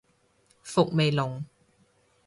伏味濃